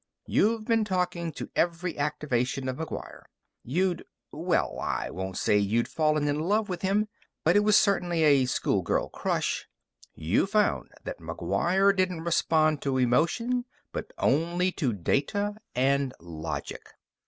'" "You'd been talking to every activation of McGuire. You'd ... well, I won't say you'd fallen in love with him, but it was certainly a schoolgirl crush. You found that McGuire didn't respond to emotion, but only to data and logic.